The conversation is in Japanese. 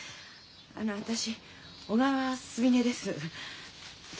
あの私小川すみれです。